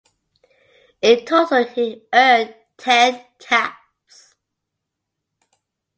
In total he earned ten caps.